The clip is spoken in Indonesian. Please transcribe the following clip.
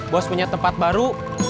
bos punya tempat baru